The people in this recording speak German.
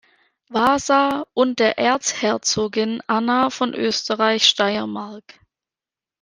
Wasa und der Erzherzogin Anna von Österreich-Steiermark.